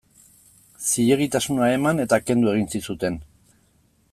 Zilegitasuna eman eta kendu egin zizuten.